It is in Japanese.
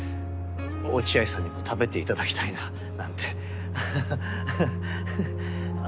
落合さんにも食べていただきたいななんてはははっははっ。